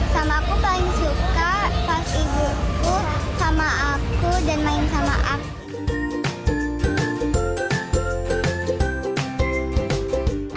sama aku paling suka pas ibuku sama aku dan main sama arti